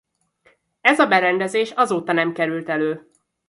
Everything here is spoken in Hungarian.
Ez a berendezés azóta nem került elő.